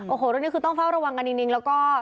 โอ้โหตอนนี้คือต้องเฝ้าระวังกันนิดแล้วก็